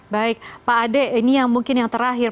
baik pak ade ini yang mungkin yang terakhir